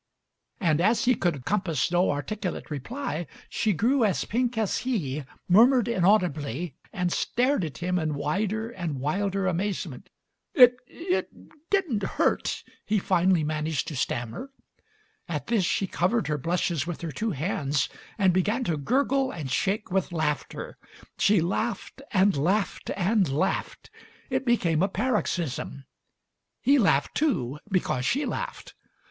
And as he could compass no articulate reply, she grew as pink as he, murmured inaudibly, and stared at him in wider and wilder amazement. "It — it didn't hurt," he finally managed to stam mer. At this she covered her blushes with her two hands and began to gurgle and shake with laughter. She laughed and laughed and laughed. It became a paroxysm. He laughed, too, because she laughed.